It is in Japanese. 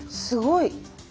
すごい。